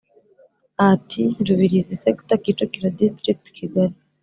At rubirizi sector kicukiro district kigali